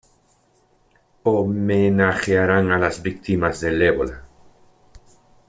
¡Homenajearán a las víctimas del ébola!